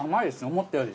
思ったより。